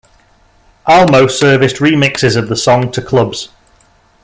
Almo serviced remixes of the song to clubs.